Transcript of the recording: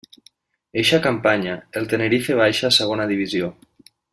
Eixa campanya, el Tenerife baixa a Segona Divisió.